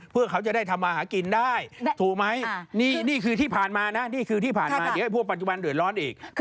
เพื่อเขาจะได้ทำมาหากินได้ถูกไหมนี่คือที่ผ่านมานะนี่คือที่ผ่านมาเดี๋ยวให้พวกปัจจุบันเดือดร้อนอีก